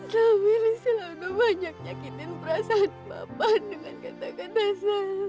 saya pilih selalu banyak nyakitin perasaan bapak dengan kata kata salah